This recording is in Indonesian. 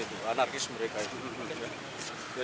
jangan jangan jangan